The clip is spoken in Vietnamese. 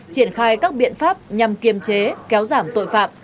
triển khai các biện pháp nhằm kiềm chế kéo giảm tội phạm